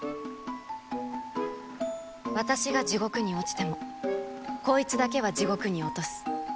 私が地獄に落ちてもこいつだけは地獄に落とす。